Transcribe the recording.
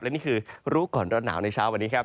และนี่คือรู้ก่อนร้อนหนาวในเช้าวันนี้ครับ